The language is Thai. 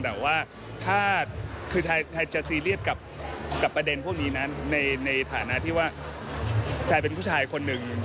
แต่ว่าถ้าคือชายจะซีเรียสกับประเด็นพวกนี้นั้นในฐานะที่ว่าชายเป็นผู้ชายคนหนึ่ง